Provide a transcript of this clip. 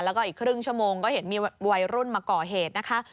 แล้วก็อีกครึ่งชั่วโมงก็เห็นมีวัยรุ่นมาก่อเหตุนะคะ